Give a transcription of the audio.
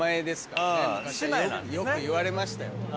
昔はよく言われましたよ。